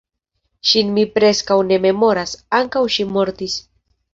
Ŝin mi preskaŭ ne memoras; ankaŭ ŝi mortis.